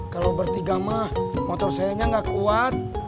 kalau bertiga mah motor sayanya nggak kuat